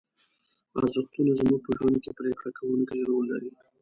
ارزښتونه زموږ په ژوند کې پرېکړه کوونکی رول لري.